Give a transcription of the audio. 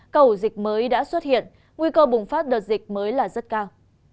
cầu dịch mới đã xuất hiện nguy cơ bùng phát đợt dịch mới là rất cao